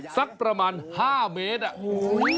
สักประมาณ๕เมตรอ่ะโอ้โห